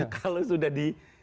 kalau sudah di